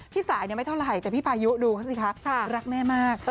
สายไม่เท่าไหร่แต่พี่พายุดูเขาสิคะรักแม่มาก